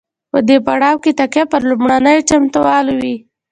په دې پړاو کې تکیه پر لومړنیو چمتووالو وي.